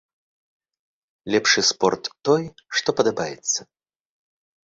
Лепшы спорт той, што падабаецца.